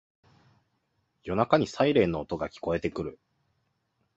夜中にサイレンの音が聞こえてくる